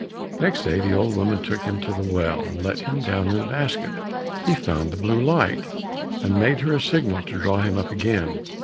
Next day the old woman took him to the well, and let him down in a basket. He found the blue light, and made her a signal to draw him up again.